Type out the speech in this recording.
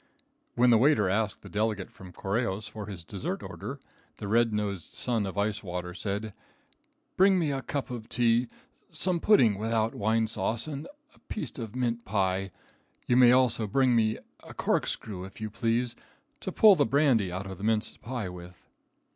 When the waiter asked the delegate from Correjos for his dessert order, the red nosed Son of Ice Water said: "Bring me a cup of tea, some pudding without wine sauce, and a piece of mince pie. You may also bring me a corkscrew, if you please, to pull the brandy out of the mince pie with."